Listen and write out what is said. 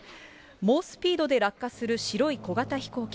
猛スピードで落下する白い小型飛行機。